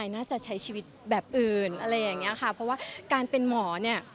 น่าจะใช้ชีวิตแบบอื่นอะไรอย่างเงี้ยค่ะเพราะว่าการเป็นหมอเนี่ย